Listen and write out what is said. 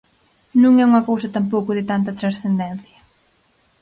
Non é unha cousa tampouco de tanta transcendencia.